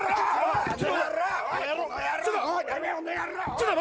ちょっと。